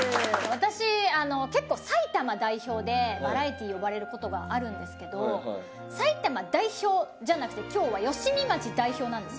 私結構埼玉代表でバラエティー呼ばれる事があるんですけど埼玉代表じゃなくて今日は吉見町代表なんですよ。